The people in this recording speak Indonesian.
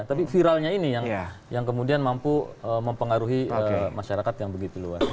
tapi viralnya ini yang kemudian mampu mempengaruhi masyarakat yang begitu luas